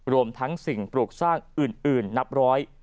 รวมทั้งสิ่งปลูกสร้างอื่นนับร้อย